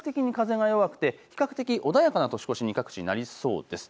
関東に限らず全国的に風が弱くて比較的穏やかな年越しに各地なりそうです。